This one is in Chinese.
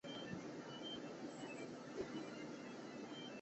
每个学校的分会通常由该校政治科学系的教授担任顾问。